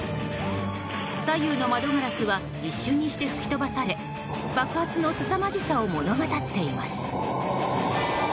左右の窓ガラスは一瞬にして吹き飛ばされ爆発のすさまじさを物語っています。